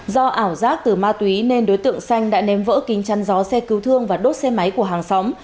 do ảo giác từ ma túy nên đối tượng xanh đã ném vỡ kính chăn gió xe cứu thương và đốt xe máy của hàng xóm